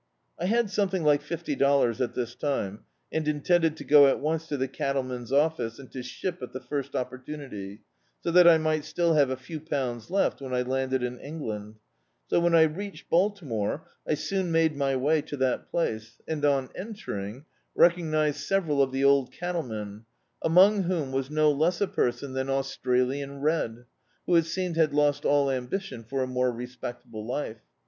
I had something like fifty dollars at this time, and intended to go at once to the cattleman's office, and to ship at the first opportunity, so that I mi^t still have a few pounds left when I landed in Eng land. So, when I reached Baltimore, I soon made D,i.,.db, Google The Autobiography of a Super Tramp my way to that place, and on entering, recognised several of the old cattlemen, among whom was no less a person than Australian Red, who it seemed had lost all amhition for a more respectable life.